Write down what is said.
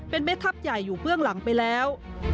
เป็นแม่ทัพใหญ่อยู่เบื้องหลังไปแล้ว